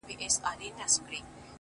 چي مي بایللی و. وه هغه کس ته ودرېدم .